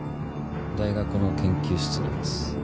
大学の研究室にいます。